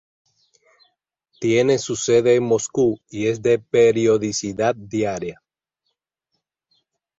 Tiene su sede en Moscú y es de periodicidad diaria.